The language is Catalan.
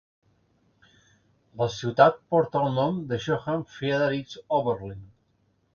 La ciutat porta el nom de Johann Friedrich Oberlin.